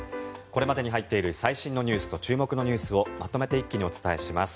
これまでに入っている最新ニュースと注目ニュースをまとめて一気にお伝えします。